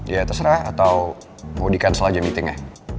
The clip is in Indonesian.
ya terserah atau mau di cancel aja meetingnya